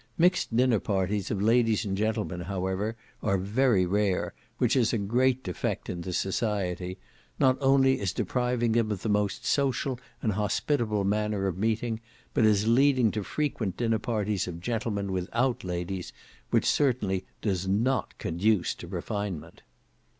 Mixed dinner parties of ladies and gentlemen, however, are very rare, which is a great defect in the society; not only as depriving them of the most social and hospitable manner of meeting, but as leading to frequent dinner parties of gentlemen without ladies, which certainly does not conduce to refinement.